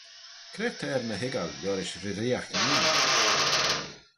Cre t'er ny hoiggal liorish reeriaght Yee?